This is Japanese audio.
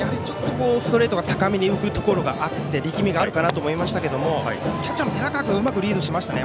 ストレートが高めに浮くところがあって力みがあるかなと思いましたけどキャッチャーの田中君がうまくリードしましたね。